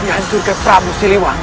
dihansurkan pramu siliwangi